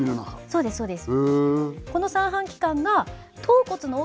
そうですそうです。